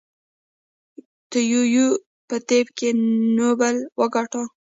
تو یویو په طب کې نوبل وګاټه.